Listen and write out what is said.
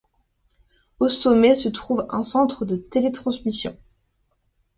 Au sommet se trouve un centre de télé-transmission.